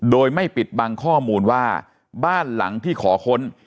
โดยไม่ปิดบังข้อมูลว่าบ้านหลังที่ขอค้น